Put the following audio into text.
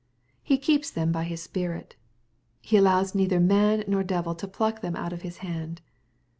He Keeps them by His Spirit. He allows neither man nor devil to pluck them out of His hand.